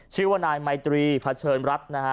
ชื่อว่านายไมตรีเผชิญรัฐนะฮะ